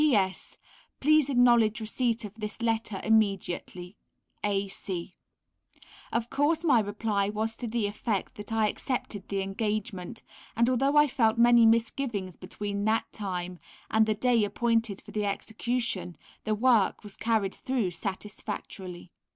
P.S. Please acknowledge receipt of this letter immediately. A. C. Of course, my reply was to the effect that I accepted the engagement, and although I felt many misgivings between that time and the day appointed for the execution, the work was carried through satisfactorily.